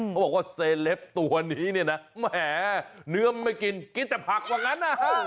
เพราะว่าเซลปตัวนี้เนื้อไม่กินกินแต่ผักกว่างั้น